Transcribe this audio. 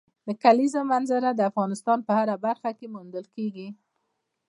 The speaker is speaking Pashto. د کلیزو منظره د افغانستان په هره برخه کې موندل کېږي.